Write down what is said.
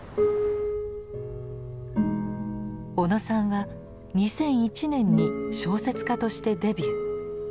小野さんは２００１年に小説家としてデビュー。